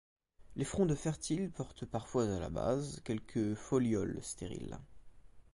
Les frondes fertiles portent parfois à la base quelques folioles stériles.